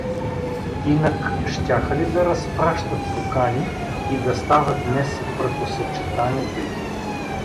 Инак щяха ли да разпращат покани и да става днес бракосъчетанието им?